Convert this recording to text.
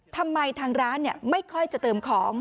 ทางร้านไม่ค่อยจะเติมของ